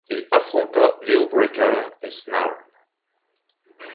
Il affronta Leobreaker et Snarl.